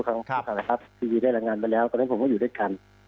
กะทุกท่าช่วยจิวิได้รายงานไปแล้วอันนี้ผมก็อยู่ด้วยกัน